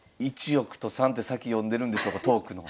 １億と３手先読んでるんでしょうかトークの。